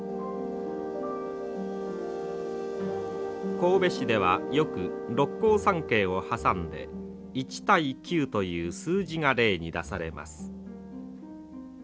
神戸市ではよく六甲山系を挟んで１対９という数字が例に出されます。